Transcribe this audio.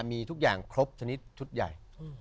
มีทุกอย่างครบชนิดชุดใหญ่